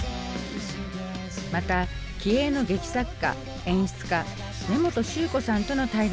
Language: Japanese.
また気鋭の劇作家・演出家根本宗子さんとの対談もお届け。